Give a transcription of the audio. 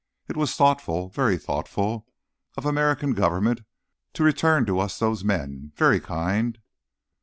"It was thoughtful, very thoughtful, of American government, to return to us those men. Very kind."